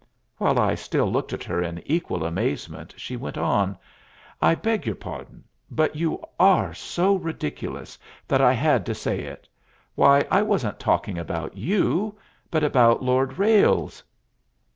While I still looked at her in equal amazement, she went on, "I beg your pardon, but you are so ridiculous that I had to say it. Why, I wasn't talking about you, but about Lord Ralles."